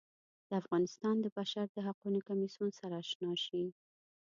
د افغانستان د بشر د حقونو کمیسیون سره اشنا شي.